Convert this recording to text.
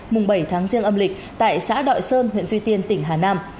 mùng bảy tháng riêng âm lịch tại xã đội sơn huyện duy tiên tỉnh hà nam